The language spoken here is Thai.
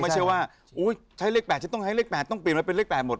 ไม่ใช่ว่าใช้เลข๘ฉันต้องใช้เลข๘ต้องเปลี่ยนไว้เป็นเลข๘หมด